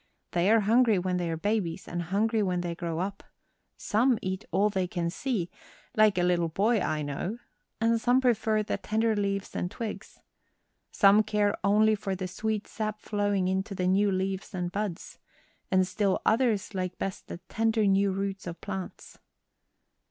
They are hungry when they are babies and hungry when they grow up. Some eat all they can see like a little boy I know and some prefer the tender leaves and twigs. Some care only for the sweet sap flowing into the new leaves and buds. And still others like best the tender new roots of plants."